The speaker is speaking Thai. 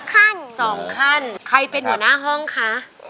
ขั้น๒ขั้นใครเป็นหัวหน้าห้องคะ